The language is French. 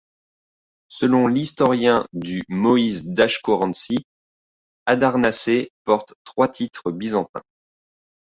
Selon l'historien du Moïse Daskhurantsi, Adarnassé porte trois titres byzantins.